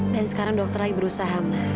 dan sekarang dokter lagi berusaha ma